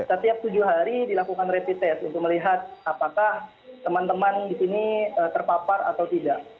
setiap tujuh hari dilakukan rapid test untuk melihat apakah teman teman di sini terpapar atau tidak